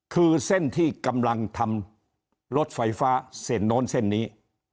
คือเส้นที่กำลังทำรถไฟฟ้าเส้นโน้นเส้นนี้